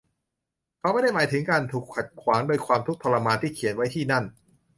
เขาไม่ได้หมายถึงการถูกขัดขวางโดยความทุกข์ทรมานที่เขียนไว้ที่นั่น